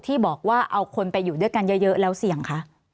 ที่บอกว่าเอาคนไปอยู่ด้วยกันเยอะแล้วเสี่ยงคะ